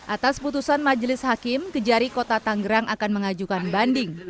atas putusan majelis hakim kejari kota tanggerang akan mengajukan banding